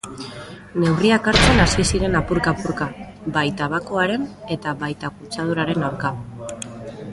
Neurriak hartzen hasi ziren apurka-apurka, bai tabakoaren eta baita kutsaduraren aurka.